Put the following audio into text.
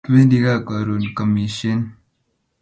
Kipendi kaa karun kamishen